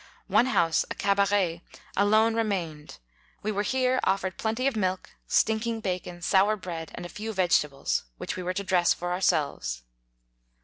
One house, a cabaret, alone remained ; we were here offered plenty of milk, stink ing bacon, sour bread, and a few ve getables, which we were to dress for ourselves.